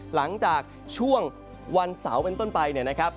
หลังจากช่วงวันเสาร์เป็นต้นไปเนี่ยนะครับ